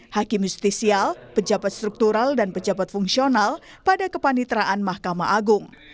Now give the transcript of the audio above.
hakim justisial pejabat struktural dan pejabat fungsional pada kepanitraan mahkamah agung